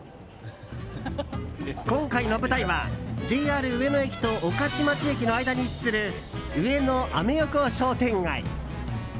今回の舞台は、ＪＲ上野駅と御徒町駅の間に位置する上野アメ横商店街。